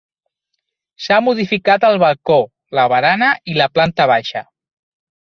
S'ha modificat el balcó, la barana i la planta baixa.